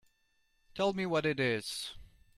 Tell me what it is.